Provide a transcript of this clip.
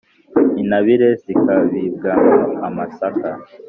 intabire zikabibwamo amasaka